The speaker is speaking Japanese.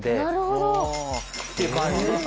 なるほど。って感じ。